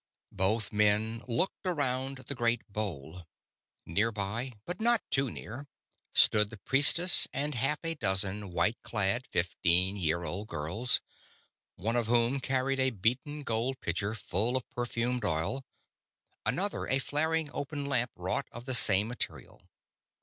Both men looked around the great bowl. Near by, but not too near, stood the priestess and half a dozen white clad fifteen year old girls; one of whom carried a beaten gold pitcher full of perfumed oil, another a flaring open lamp wrought of the same material.